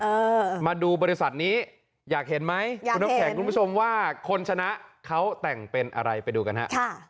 เออมาดูบริษัทนี้อยากเห็นไหมอยากคุณน้ำแข็งคุณผู้ชมว่าคนชนะเขาแต่งเป็นอะไรไปดูกันฮะค่ะ